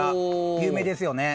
有名ですよね。